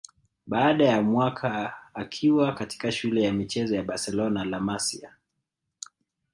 Baada ya mwaka akiwa katika shule ya michezo ya Barcelona La Masia